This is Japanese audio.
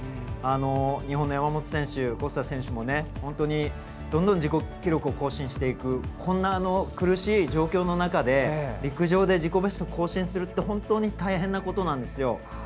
日本の山本選手、小須田選手もどんどん自己記録を更新していくこんな苦しい状況の中で陸上で自己ベストを更新するって本当に大変なことなんですよ。